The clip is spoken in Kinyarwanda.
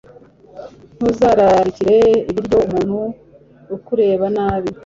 ntuzararikire ibiryo umuntu ukureba nabi